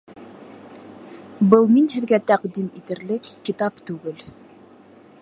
Был мин һеҙгә тәҡдим итерлек китап түгел